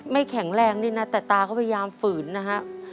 ไม่แข็งแรงดีนะแต่ตาก็พยายามฝืนนะครับ